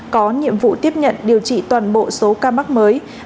có nhiệm vụ tiếp nhận điều trị toàn bộ số ca mắc mới